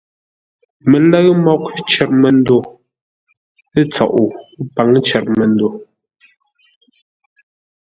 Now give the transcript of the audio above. Mələ́ʉ mǒghʼ cər məndo ə́ tsoʼo pǎŋ cər məndo.